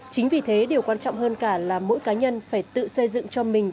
chính vì thế điều quan trọng hơn cả là mỗi cá nhân phải tự xây dựng cho mình